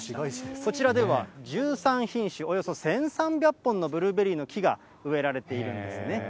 こちらでは１３品種およそ１３００本のブルーベリーの木が植えられているんですね。